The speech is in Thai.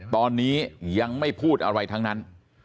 ตอนนี้ยังไม่พูดอะไรทั้งนั้น